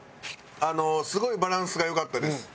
すごいバランスがよかったです。